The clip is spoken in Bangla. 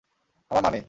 আমার মা নেই।